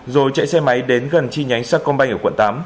rồi chạy xe máy đến gần chi nhánh sa công banh ở quận tám